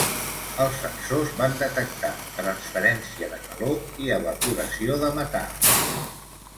Els sensors van detectar transferència de calor i evaporació de metà.